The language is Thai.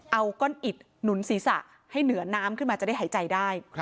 เอาก้อนอิดหนุนศีรษะให้เหนือน้ำขึ้นมาจะได้หายใจได้